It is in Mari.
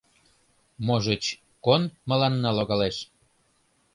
Можыч, кон мыланна логалеш?